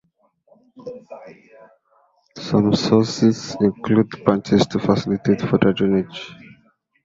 Some soughs include branches to facilitate further drainage.